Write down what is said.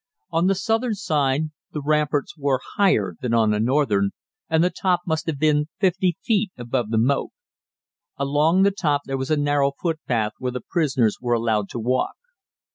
On the southern side the ramparts were higher than on the northern, and the top must have been 50 feet above the moat. Along the top there was a narrow footpath where the prisoners were allowed to walk.